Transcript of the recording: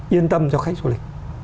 yên tâm cho khách du lịch